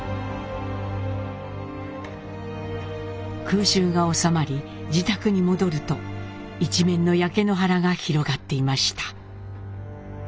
空襲が収まり自宅に戻ると一面の焼け野原が広がっていました。